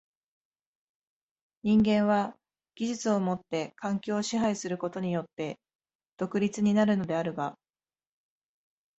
人間は技術をもって環境を支配することによって独立になるのであるが、